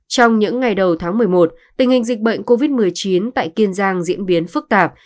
trong những ngày đầu tháng một mươi một tình hình dịch bệnh covid một mươi chín tại kiên giang diễn biến phức tạp